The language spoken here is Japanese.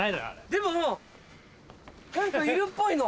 でも何かいるっぽいの。